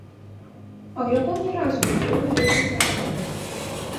А ў яго ні разу не было ніякіх нараканняў.